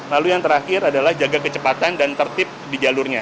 lalu yang terakhir adalah jaga kecepatan dan tertib di jalurnya